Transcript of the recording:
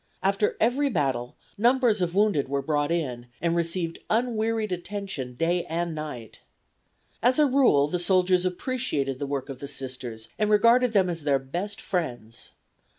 After every battle numbers of wounded were brought in, and received unwearied attention day and night. As a rule the soldiers appreciated the work of the Sisters, and regarded them as their best friends.